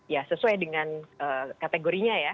ya sesuai dengan kategorinya ya